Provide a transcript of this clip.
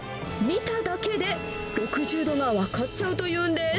見ただけで、６０度が分かっちゃうというんです。